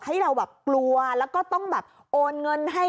ให้เราแบบกลัวแล้วก็ต้องแบบโอนเงินให้